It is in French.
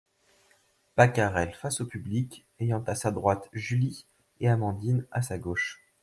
Pacarel face au public, ayant à sa droite Julie et Amandine à sa gauche.